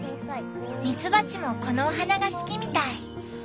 ミツバチもこのお花が好きみたい。